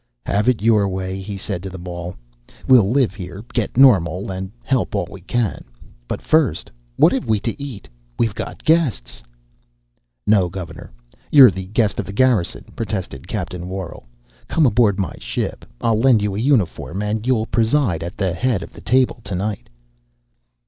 "Have it your way," he said to them all. "We'll live here, get normal, and help all we can. But first, what have we to eat? We've got guests." "No, governor, you're the guest of the garrison," protested Captain Worrall. "Come aboard my ship yonder. I'll lend you a uniform, and you'll preside at the head of the table tonight."